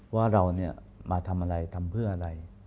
ว่าเรามาทำอะไรทำเพื่ออะไร